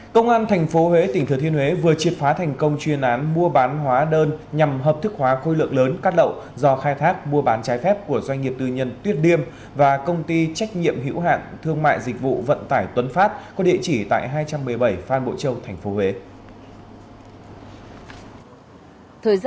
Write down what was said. công an tp huế tỉnh thừa thiên huế vừa triệt phá thành công chuyên án mua bán hóa đơn nhằm hợp thức hóa khối lượng lớn cát lậu do khai thác mua bán trái phép của doanh nghiệp tư nhân tuyết điêm và công ty trách nhiệm hữu hạn thương mại dịch vụ vận tải tuấn phát có địa chỉ tại hai trăm một mươi bảy phan bộ châu tp huế